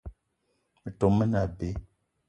Metom me ne abe.